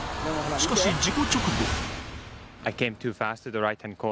しかし、事故直後。